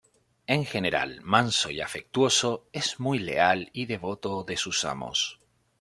En general manso y afectuoso, es muy leal y devoto de sus amos.